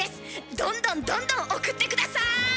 どんどんどんどん送って下さい！